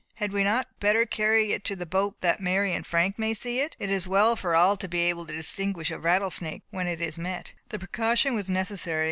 Had we not better carry it to the boat that Mary and Frank may see it? It is well for all to be able to distinguish a rattle snake when it is met." The precaution was necessary.